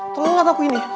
terlalu kaku ini